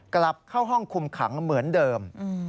กลับเข้าห้องคุมขังเหมือนเดิม